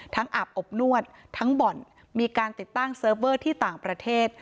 อาบอบนวดทั้งบ่อนมีการติดตั้งเซิร์ฟเวอร์ที่ต่างประเทศ